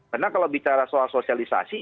karena kalau bicara soal sosialisasi